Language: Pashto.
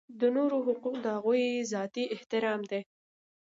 د نورو حقوق د هغوی ذاتي احترام دی.